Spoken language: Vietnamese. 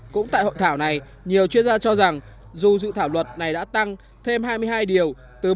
cũng tại hội thảo này nhiều chuyên gia cho rằng dù dự thảo luật này đã tăng thêm hai mươi hai điều